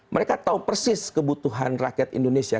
mereka tahu persis kebutuhan rakyat indonesia